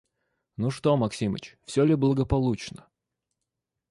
Ну, что, Максимыч, все ли благополучно?»